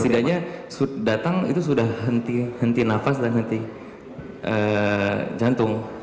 setidaknya datang itu sudah henti nafas dan henti jantung